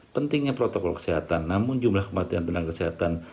pentingnya protokol kesehatan namun jumlah kematian tenaga kesehatan